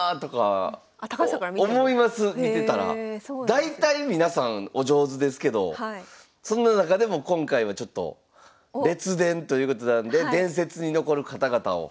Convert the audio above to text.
大体皆さんお上手ですけどそんな中でも今回はちょっと「列伝」ということなんで伝説に残る方々を。